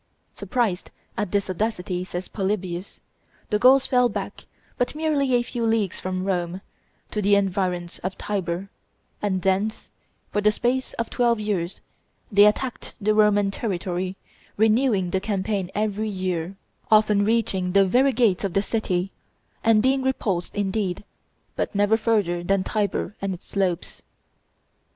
"Surprised at this audacity," says Polybius, "the Gauls fell back, but merely a few leagues from Rome, to the environs of Tibur; and thence, for the space of twelve years, they attacked the Roman territory, renewing the campaign every year, often reaching the very gates of the city, and being repulsed indeed, but never farther than Tibur and its slopes."